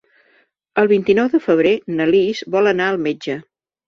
El vint-i-nou de febrer na Lis vol anar al metge.